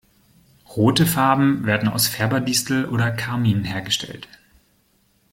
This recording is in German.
Rote Farben werden aus Färberdistel oder Karmin hergestellt.